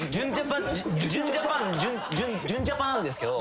純ジャパンですけど。